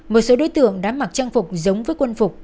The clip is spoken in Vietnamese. một số đối tượng đã mặc trang phục giống với quân phục